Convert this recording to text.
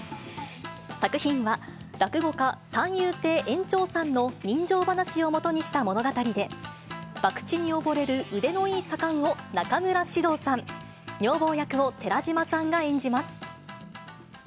作品は、落語家、三遊亭圓朝さんの人情ばなしをもとにした物語で、ばくちに溺れる腕のいい左官を中村獅童さん、女房役を寺島さんが演じます。